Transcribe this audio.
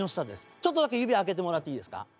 ちょっとだけ指を開けてもらっていいですか？